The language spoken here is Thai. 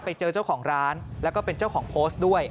ไปเจอเจ้าของร้านแล้วก็เป็นเจ้าของโพสต์ด้วย